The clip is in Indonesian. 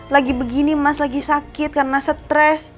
lagi begini mas lagi sakit karena stres